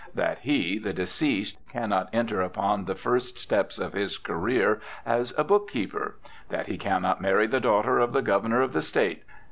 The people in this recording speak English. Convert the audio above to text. That he, the deceased, cannot enter upon the first steps of his career as a bookkeeper. That he cannot marry the daughter of the Governor of the State.